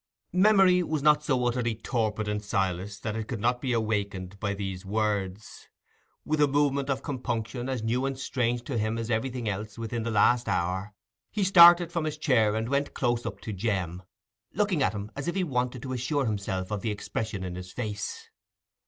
Memory was not so utterly torpid in Silas that it could not be awakened by these words. With a movement of compunction as new and strange to him as everything else within the last hour, he started from his chair and went close up to Jem, looking at him as if he wanted to assure himself of the expression in his face.